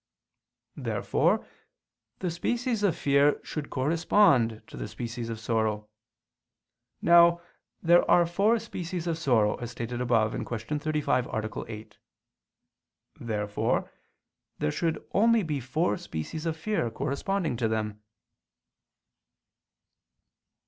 Therefore the species of fear should correspond to the species of sorrow. Now there are four species of sorrow, as stated above (Q. 35, A. 8). Therefore there should only be four species of fear corresponding to them.